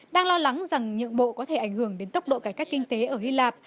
đang lo lắng rằng nhượng bộ có thể ảnh hưởng đến tốc độ cải cách kinh tế ở hy lạp